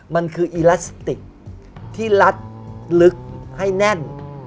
มันคืออีลาสติกที่ลัดลึกให้แน่น